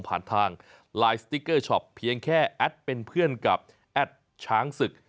ผ่านทางไลน์สติ๊กเกอร์ช็อปเพียงแค่แอดเป็นเพื่อนกับแอดช้างศึก